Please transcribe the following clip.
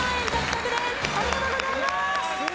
ありがとうございます！